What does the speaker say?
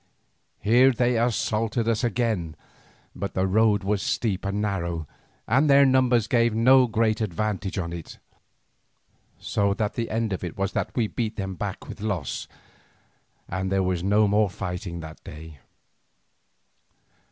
Here they assaulted us again, but the road was steep and narrow, and their numbers gave them no great advantage on it, so that the end of it was that we beat them back with loss, and there was no more fighting that day.